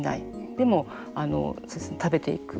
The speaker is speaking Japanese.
でも、食べていく。